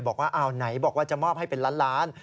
บอกว่าไหนจะมอบให้เป็นล้าน